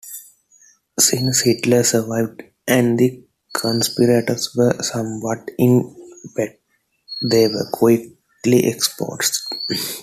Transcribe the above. Since Hitler survived and the conspirators were somewhat inept, they were quickly exposed.